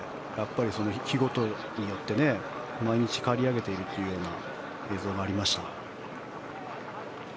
日ごとによって毎日、刈り上げているという映像がありました。